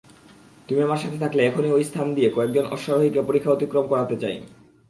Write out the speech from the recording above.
তুমি আমার সাথে থাকলে এখনই ঐ স্থান দিয়ে কয়েকজন অশ্বারোহীকে পরিখা অতিক্রম করাতে চাই।